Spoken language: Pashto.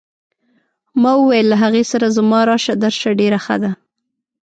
ما وویل له هغې سره زما راشه درشه ډېره ښه ده.